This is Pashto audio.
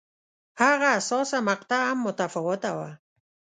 هغه حساسه مقطعه هم متفاوته وه.